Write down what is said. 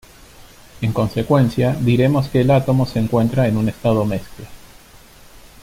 En consecuencia, diremos que el átomo se encuentra en un estado mezcla.